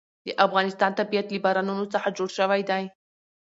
د افغانستان طبیعت له بارانونو څخه جوړ شوی دی.